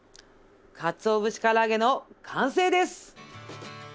かつお節から揚げの完成です！